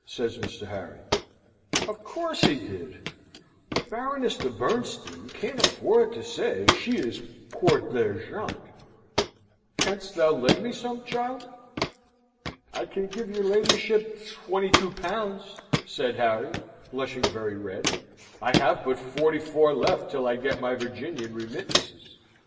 says Mr. Harry. "Of course he did: the Baroness de Bernstein can't afford to say she is court d'argent. Canst thou lend me some, child?" "I can give your ladyship twenty two pounds," said Harry, blushing very red: "I have but forty four left till I get my Virginian remittances.